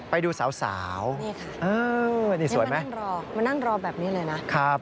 ไปดูสาวนี่ค่ะนี่สวยไหมนั่งรอมานั่งรอแบบนี้เลยนะ